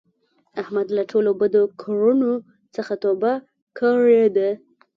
احمد له ټولو بدو کړونو څخه توبه کړې ده.